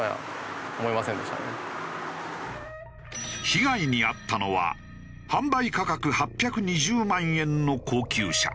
被害に遭ったのは販売価格８２０万円の高級車。